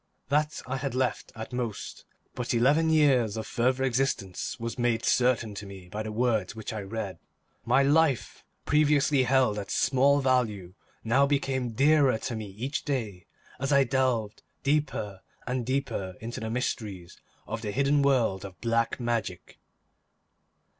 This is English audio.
That I had left at most but eleven years of further existence was made certain to me by the words which I read. My life, previously held at small value, now became dearer to me each day, as I delved deeper and deeper into the mysteries of the hidden world of black magic.